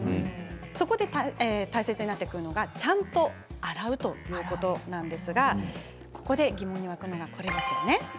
そこで、大切になってくるのがちゃんと洗うということなんですがここで疑問が湧くのが、これですよね。